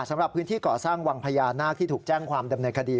สำหรับพื้นที่ก่อสร้างวังพญานาคที่ถูกแจ้งความดำเนินคดี